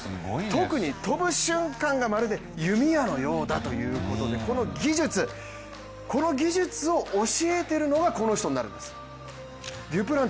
特にとぶ瞬間が、まるで弓矢のようだということでこの技術を教えてるのがこの人になるんです。